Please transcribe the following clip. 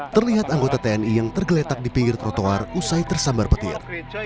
terlihat anggota tni yang tergeletak di pinggir trotoar usai tersambar petir